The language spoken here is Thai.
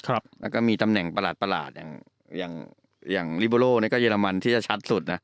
แล้วก็มีตำแหน่งประหลาดประหลาดอย่างลิเบอร์โลย์ก็เยอรมันที่จะชัดสุดนะ